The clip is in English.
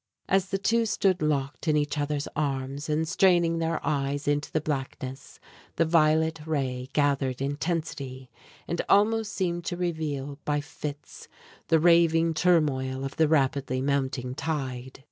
As the two stood locked in each other's arms, and straining their eyes into the blackness, the violet ray gathered intensity, and almost seemed to reveal, by fits, the raving turmoil of the rapidly mounting tide.